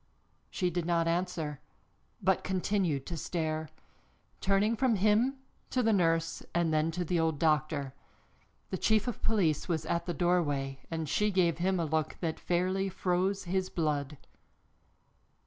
She did not answer, but continued to stare, turning from him to the nurse and then to the old doctor. The chief of police was at the doorway and she gave him a look that fairly froze his blood.